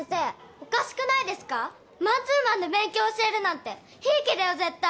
おかしくないですか⁉マンツーマンで勉強教えるなんてひいきだよ絶対！